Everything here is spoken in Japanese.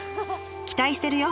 期待してるよ！